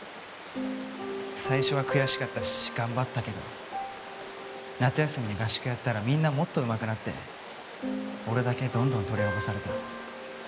最初は悔しかったし頑張ったけど夏休みに合宿やったらみんなもっと上手くなって俺だけどんどん取り残された。